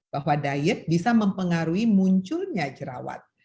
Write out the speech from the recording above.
bahwa diet bisa mempengaruhi munculnya jerawat